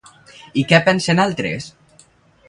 I què pensen altres?